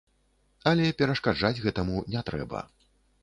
Але перашкаджаць гэтаму не трэба.